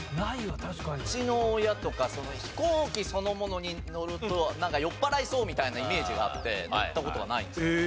うちの親とか飛行機そのものに乗ると酔っ払いそうみたいなイメージがあって乗った事がないんですよね。